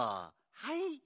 はい。